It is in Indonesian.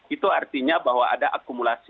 itu artinya bahwa ada akumulasi